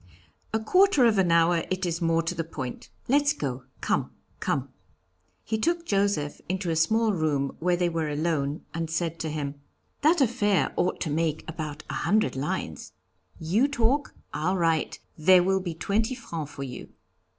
A quarter of an hour, it is more to the point. Let's go. Come, come.' He took Joseph into a small room where they were alone, and said to him: 'That affair ought to make about a hundred lines you talk I'll write there will be twenty francs for you.'